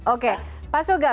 oke pak suga